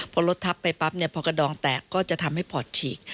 พอรถทับไปปั๊บเนี่ยพอกระดองแตกก็จะทำให้ปอดฉีก